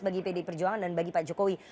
bagi pd perjuangan dan bagi pak jokowi